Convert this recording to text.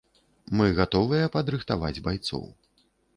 Мы гатовыя падрыхтаваць байцоў.